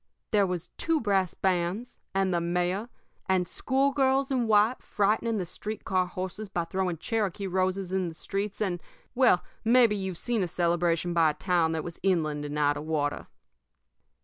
There was two brass bands, and the mayor, and schoolgirls in white frightening the street car horses by throwing Cherokee roses in the streets, and well, maybe you've seen a celebration by a town that was inland and out of water.